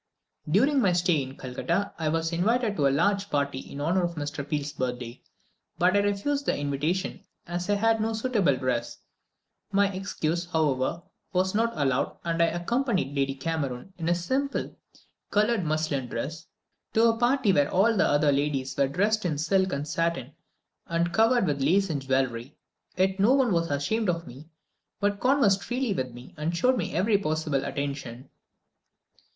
During my stay in Calcutta, I was invited to a large party in honour of Mr. Peel's birthday; but I refused the invitation, as I had no suitable dress. My excuse, however, was not allowed, and I accompanied Lady Cameron, in a simple coloured muslin dress, to a party where all the other ladies were dressed in silk and satin and covered with lace and jewellery; yet no one was ashamed of me, but conversed freely with me, and showed me every possible attention.